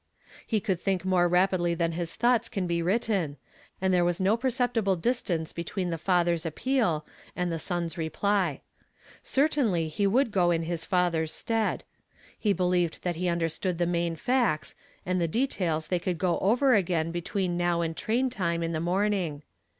He could think more rapidly than his thoughts can be written, and there was no perceptible distance between the father's ap peal and the son's reply. Certainly he would go in his father's stead. He believed that he under stood the main facts, and the details they could go over again between now and train time in the morning.